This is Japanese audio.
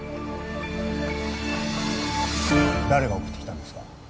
誰が送ってきたんですか？